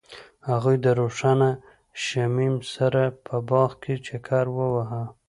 هغوی د روښانه شمیم سره په باغ کې چکر وواهه.